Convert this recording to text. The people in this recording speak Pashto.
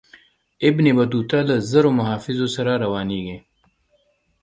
ابن بطوطه له زرو محافظینو سره روانیږي.